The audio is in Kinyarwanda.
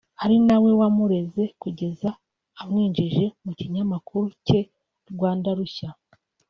ari nawe wamureze kugeza amwinjije mu kinyamakuru cye Rwanda Rushya